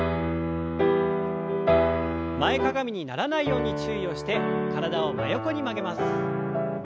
前かがみにならないように注意をして体を真横に曲げます。